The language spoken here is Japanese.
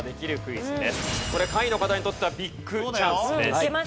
これ下位の方にとってはビッグチャンスです。